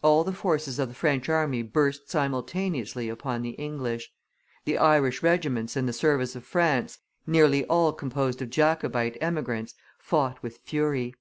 All the forces of the French army burst simultaneously upon the English. The Irish regiments in the service of France, nearly all composed of Jacobite emigrants, fought with fury.